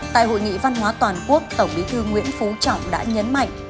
tại hội nghị văn hóa toàn quốc tổng bí thư nguyễn phú trọng đã nhấn mạnh